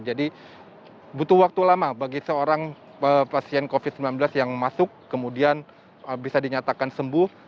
jadi butuh waktu lama bagi seorang pasien covid sembilan belas yang masuk kemudian bisa dinyatakan sembuh